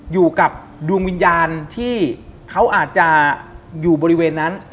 อยู่กับดวงวิญญาณที่เขาอาจจะอยู่บริเวณนั้น